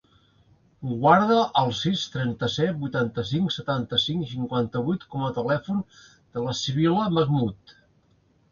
Guarda el sis, trenta-set, vuitanta-cinc, setanta-cinc, cinquanta-vuit com a telèfon de la Sibil·la Mahmood.